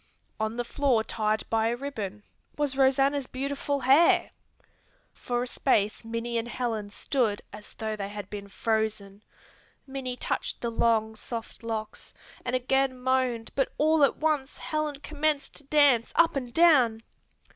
On the floor tied by a ribbon, was Rosanna's beautiful hair! For a space Minnie and Helen stood as though they had been frozen. Minnie touched the long, soft locks and again moaned but all at once Helen commenced to dance up and down.